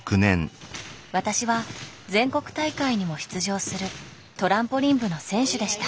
私は全国大会にも出場するトランポリン部の選手でした。